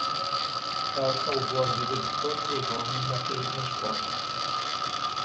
Ela salvou a vida de todos os homens naquele transporte.